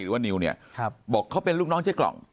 ปากกับภาคภูมิ